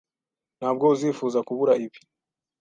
Ntabwo uzifuza kubura ibi